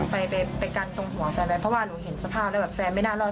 ไปไปกันตรงหัวแฟนไว้เพราะว่าหนูเห็นสภาพแล้วแบบแฟนไม่น่ารอด